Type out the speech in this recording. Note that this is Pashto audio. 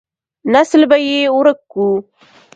نسل به يې ورک کو.